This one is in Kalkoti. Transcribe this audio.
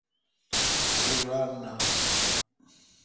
رو ران نان۔